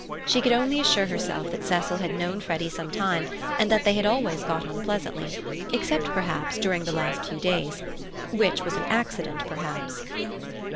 She could only assure herself that Cecil had known Freddy some time, and that they had always got on pleasantly, except, perhaps, during the last few days, which was an accident, perhaps.